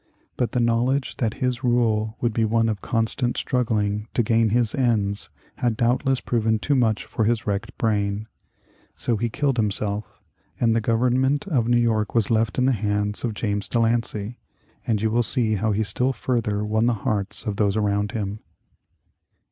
But the knowledge that his rule would be one of constant struggling to gain his ends had doubtless proven too much for his wrecked brain. So he killed himself, and the government of New York was left in the hands of James De Lancey, and you will see how he still further won the hearts of those around him.